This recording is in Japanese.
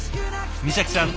美咲さん